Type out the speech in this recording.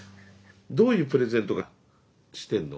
どういうプレゼンとかしてんの？